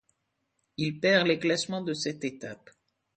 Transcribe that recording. Il perd les classements de cette étape.